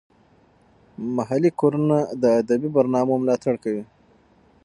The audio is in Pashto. محلي کورونه د ادبي برنامو ملاتړ کوي.